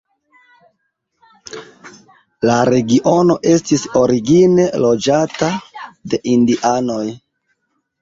La regiono estis origine loĝata de indianoj.